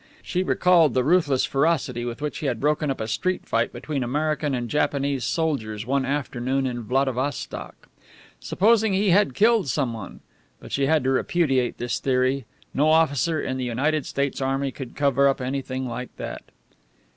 She recalled the ruthless ferocity with which he had broken up a street fight between American and Japanese soldiers one afternoon in Vladivostok. Supposing he had killed someone? But she had to repudiate this theory. No officer in the United States Army could cover up anything like that.